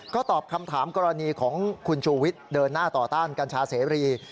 ก็ตอบคำถามกรณีของคุณชูวิทย์เดินหน้าต่อต้านกัญชาเสรี